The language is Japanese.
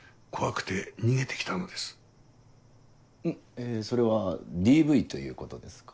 えそれはＤＶということですか？